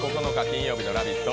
金曜日の「ラヴィット！」